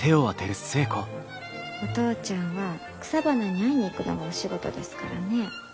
お父ちゃんは草花に会いに行くのがお仕事ですからね。